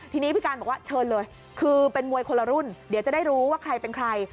ทีนี้พี่การบอกว่าเชิญเลยคือเป็นมวยคนละรุ่นเดี๋ยวจะได้รู้ว่าใครเป็นใคร